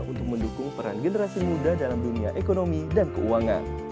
untuk mendukung peran generasi muda dalam dunia ekonomi dan keuangan